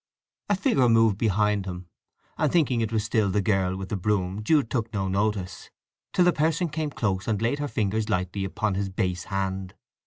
A figure moved behind him, and thinking it was still the girl with the broom Jude took no notice, till the person came close and laid her fingers lightly upon his bass hand.